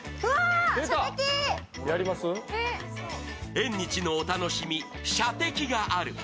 縁日のお楽しみ、射的がある。